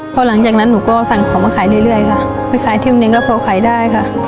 พอหลังจากนั้นหนูก็สั่งของมาขายเรื่อยค่ะไปขายเที่ยวหนึ่งก็พอขายได้ค่ะ